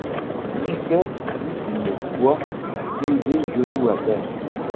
Lui fait plus d’une fois poser genou à terre.